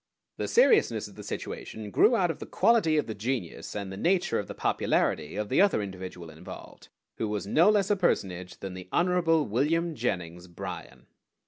The seriousness of the situation grew out of the quality of the genius and the nature of the popularity of the other individual involved, who was no less a personage than the Hon. William Jennings Bryan.